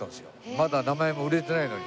まだ名前も売れてないのに。